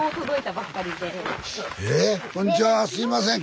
すいません